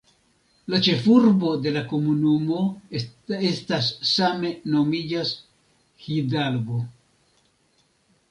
La ĉefurbo de la komunumo estas same nomiĝas "Hidalgo".